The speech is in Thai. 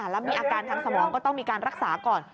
แล้วมีอาการทางสมองก็ต้องมีการรักษาก่อน